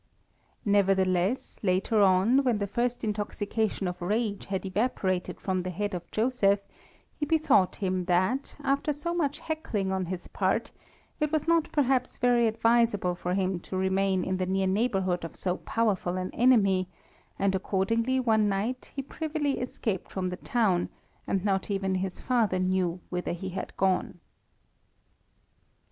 Nevertheless, later on, when the first intoxication of rage had evaporated from the head of Joseph, he bethought him that, after so much heckling on his part, it was not perhaps very advisable for him to remain in the near neighbourhood of so powerful an enemy, and accordingly one night he privily escaped from the town, and not even his father knew whither he had gone.